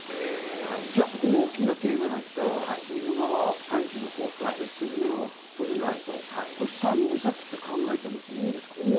じゃあ大きなテーマで言ったら『君の名は。』、『天気の子』、『すずめの戸締まり』と、３部作と考えてもいいですか？